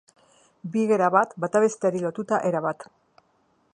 Bi gera bat, bata besteari lotuta erabat.